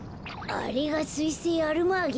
あれがすいせいアルマーゲか。